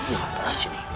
ya rai sini